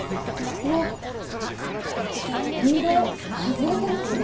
うわ、リード、外れてますね。